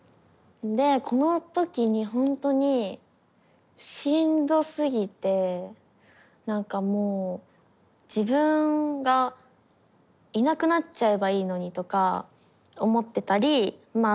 でこの時にほんとにしんどすぎてなんかもう自分がいなくなっちゃえばいいのにとか思ってたりまあ